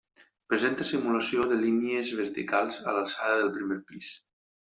Presenta simulació de línies verticals a l'alçada del primer pis.